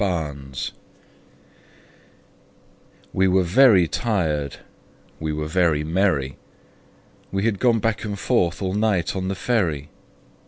Recuerdo WE WERE very tired, we were very merry We had gone back and forth all night on the ferry.